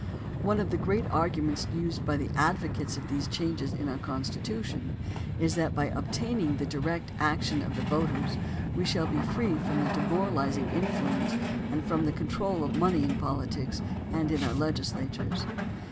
One of the great arguments used by the advocates of these changes in our Constitution is that by obtaining the direct action of the voters we shall be free from the demoraliz ing influence and from the control of money in politics and in our legislatures.